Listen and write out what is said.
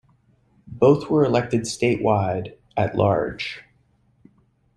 Both were elected statewide at-large.